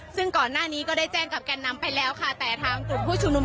ซึ่งก่อนหน้านี้ก็ได้แจ้งกับแก่นนำไปแล้วค่ะแต่ทางกลุ่มผู้ชุมนุม